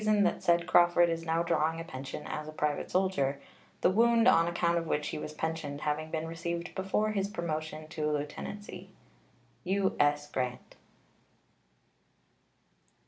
Crawford," without my approval, for the reason that said Crawford is now drawing a pension as a private soldier, the wound on account of which he was pensioned having been received before his promotion to a lieutenancy. U.S. GRANT.